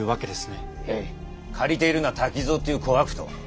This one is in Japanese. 借りているのは「滝蔵」っていう小悪党。